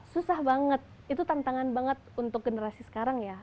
susah banget itu tantangan banget untuk generasi sekarang ya